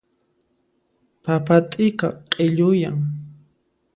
Papa t'ika q'illuyan.